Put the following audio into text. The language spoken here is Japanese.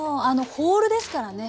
ホールですからね。